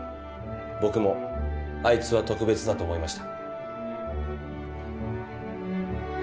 僕もあいつは特別だと思いました